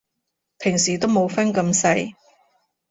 平時都冇分咁細